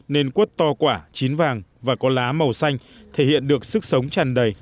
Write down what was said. nên quất to quả chín vàng và có lá màu xanh thể hiện được sức sống tràn đầy